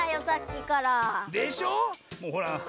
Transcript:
さっきから！